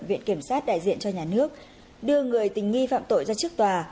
viện kiểm soát đại diện cho nhà nước đưa người tình nghi phạm tội ra trước tòa